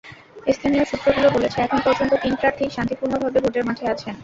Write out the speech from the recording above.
স্থানীয় সূত্রগুলো বলেছে, এখন পর্যন্ত তিন প্রার্থীই শান্তিপূর্ণভাবে ভোটের মাঠে আছেন।